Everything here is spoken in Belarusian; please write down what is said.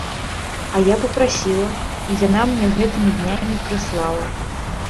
А я папрасіла, і яна мне гэтымі днямі прыслала.